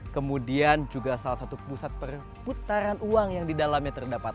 kemudian juga salah satu pusat perputaran uang yang didalamnya terdapat